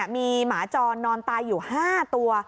มีหมาจรนอนตายอยู่๕ตัว